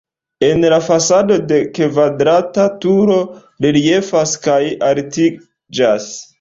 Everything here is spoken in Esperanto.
En la fasado la kvadrata turo reliefas kaj altiĝas.